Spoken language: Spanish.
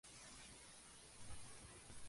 Es propiedad de la General Electric.